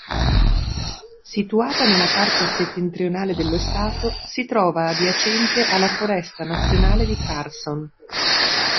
Situata nella parte settentrionale dello stato, si trova adiacente alla foresta nazionale di Carson.